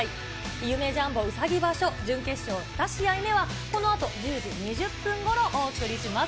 夢・ジャンボうさぎ場所、準決勝２試合目は、このあと１０時２０分ごろお送りします。